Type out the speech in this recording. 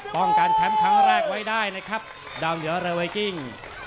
ป้องกันแชมป์ครั้งแรกไว้ได้นะครับดาวเหนือเรอร์ไวกิ้ง